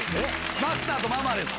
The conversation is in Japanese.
マスターとママです。